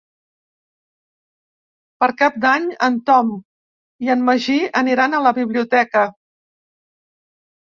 Per Cap d'Any en Tom i en Magí aniran a la biblioteca.